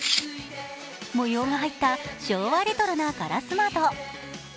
模様が入った昭和レトロなガラス窓。